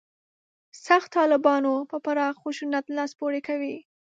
«سخت طالبانو» په پراخ خشونت لاس پورې کوي.